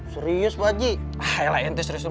serius pak haji